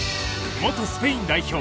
元スペイン代表